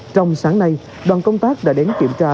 trong sáng nay đoàn công tác đã đến kiểm tra